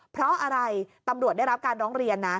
เพราะอะไรตำรวจได้รับการร้องเรียนนะ